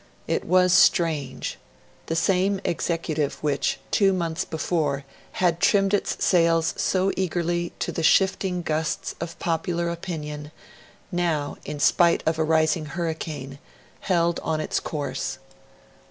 It was strange; the same executive which, two months before, had trimmed its sails so eagerly to the shifting gusts of popular opinion, now, in spite of a rising hurricane, held on its course.